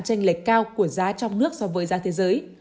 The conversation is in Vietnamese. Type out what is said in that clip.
tranh lệch cao của giá trong nước so với giá thế giới